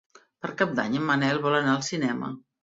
Per Cap d'Any en Manel vol anar al cinema.